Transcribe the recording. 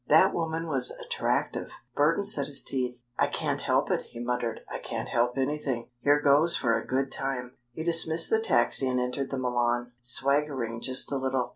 That woman was attractive!" Burton set his teeth. "I can't help it," he muttered. "I can't help anything. Here goes for a good time!" He dismissed the taxi and entered the Milan, swaggering just a little.